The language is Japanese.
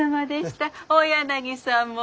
大柳さんも。